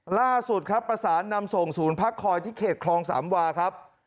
ล่าสุดครับประสานนำส่งศูนย์พักคอยที่เขตคลองสามวาครับ